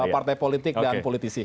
partai politik dan politisi